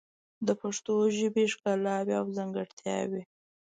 د پښتو ژبې ښکلاوې او ځانګړتیاوې